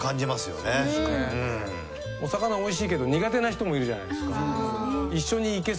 お魚おいしいけど苦手な人もいるじゃないですか。